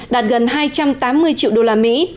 đạt gần hai trăm tám mươi triệu đô la mỹ